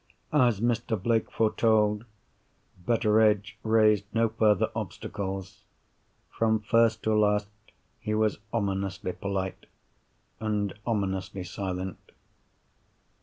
As Mr. Blake foretold, Betteredge raised no further obstacles. From first to last, he was ominously polite, and ominously silent.